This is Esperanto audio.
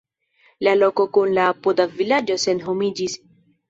La loko kun la apuda vilaĝo senhomiĝis.